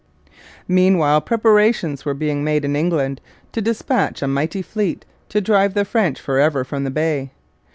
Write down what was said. Meanwhile preparations were being made in England to dispatch a mighty fleet to drive the French for ever from the Bay.